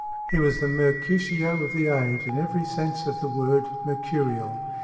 He was the Mercutio of the age, in every sense of the word mercurial.